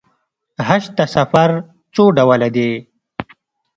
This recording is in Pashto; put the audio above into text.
حج ته سفر څو ډوله دی.